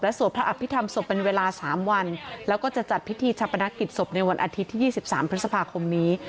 สวดพระอภิษฐรรมศพเป็นเวลา๓วันแล้วก็จะจัดพิธีชาปนกิจศพในวันอาทิตย์ที่๒๓พฤษภาคมนี้